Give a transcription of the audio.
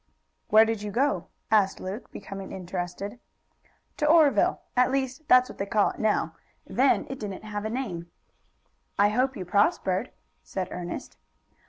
"Where did you go?" asked Luke, becoming interested. "To Oreville. At least, that's what they call it now. Then it didn't have a name." "I hope you prospered," said Ernest.